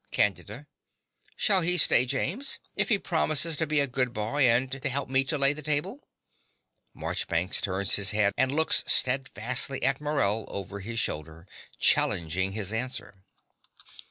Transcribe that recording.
CANDIDA. Shall he stay, James, if he promises to be a good boy and to help me to lay the table? (Marchbanks turns his head and looks steadfastly at Morell over his shoulder, challenging his answer.)